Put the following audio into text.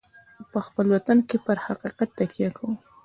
په خپل وطن کې پر حقیقت تکیه کوو.